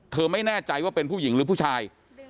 ไม่แน่ใจว่าเป็นผู้หญิงหรือผู้ชาย